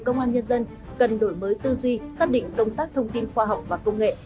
công an nhân dân cần đổi mới tư duy xác định công tác thông tin khoa học và công nghệ